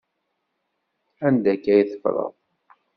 Anda akka ay teffreḍ?